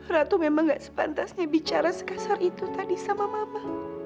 ratu memang gak sepantasnya bicara sekasar itu tadi sama mama